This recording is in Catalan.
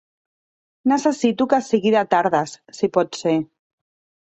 Necessito que sigui de tardes, si pot ser.